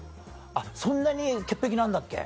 そんなに潔癖なんだっけ？